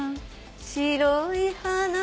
「白い花」